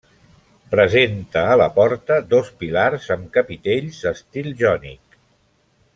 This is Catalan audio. Presenta a la porta dos pilars amb capitells d'estil jònic.